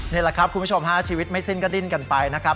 นี่แหละครับคุณผู้ชมฮะชีวิตไม่สิ้นก็ดิ้นกันไปนะครับ